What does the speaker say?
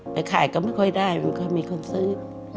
ขายก็ไม่ค่อยได้มันก็มีคนซื้อ